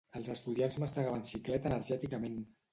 Els estudiants mastegaven xiclet enèrgicament.